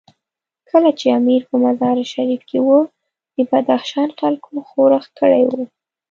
کله چې امیر په مزار شریف کې وو، د بدخشان خلکو ښورښ کړی وو.